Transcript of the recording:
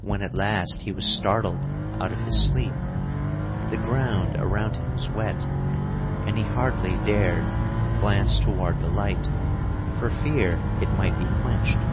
When at last he was startled out of his sleep, the ground around him was wet, and he hardly dared glance toward the light, for fear it might be quenched.